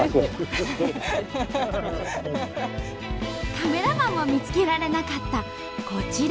カメラマンも見つけられなかったこちら。